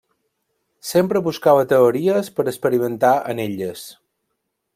Sempre buscava teories per a experimentar en elles.